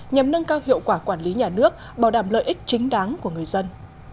nhằm nâng cao hiệu quả quản lý nhà nước bảo đảm lợi ích chính đáng của người dân